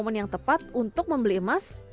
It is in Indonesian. apakah ini yang tepat untuk membeli emas